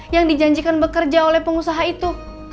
yang dijanjikan bekerja oleh pengusaha itu